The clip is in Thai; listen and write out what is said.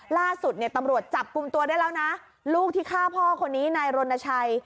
ล่าสุดเนี่ยตำรวจจับกลุ่มตัวได้แล้วนะลูกที่ฆ่าพ่อคนนี้นายรณชัย